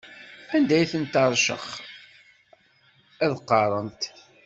Anda i tent-iṛcex, ad qqaṛent.